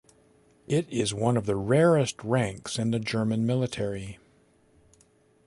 It is one of the rarest ranks in the German military.